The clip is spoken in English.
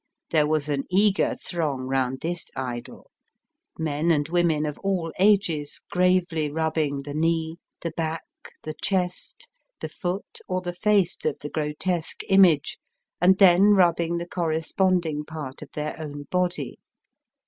There was an eager throng round this idol ; men and women of all ages gravely rubbing the knee, the back, the chest, the foot, or the face of the grotesque image, and then rubbing the corresponding part of their own body.